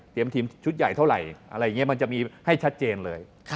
ทีมชุดใหญ่เท่าไหร่อะไรอย่างนี้มันจะมีให้ชัดเจนเลย